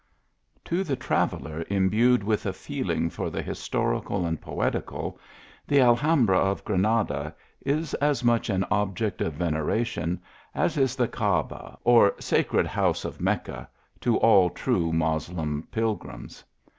To the traveller imbued with a feeling for the his torical and poetical, the Alhambra of Grenada is as much an object of veneration as is the Caaba, or sacred house of Mecca, to all true Moslem pilgrims.